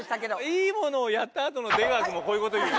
いいものをやった後の出川くんもこういうこと言う。